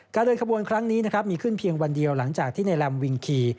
การเดินขบวนครั้งนี้มีขึ้นเพียงวันเดียวหลังจากที่ในลำวิงคี